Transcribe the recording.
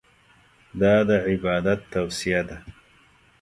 دا د عبادت توصیه ده.